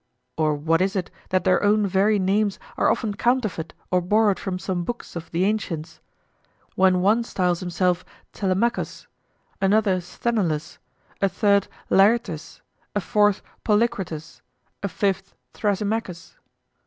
Or what is it that their own very names are often counterfeit or borrowed from some books of the ancients? When one styles himself Telemachus, another Sthenelus, a third Laertes, a fourth Polycrates, a fifth Thrasymachus.